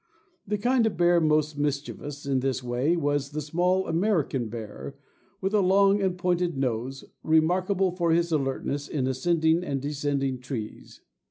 The kind of bear most mischievous in this way was the small American bear, with a long and pointed nose, remarkable for his alertness in ascending and descending trees.